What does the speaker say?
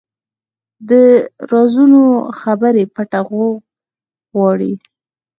د رازونو خبرې پټه غوږ غواړي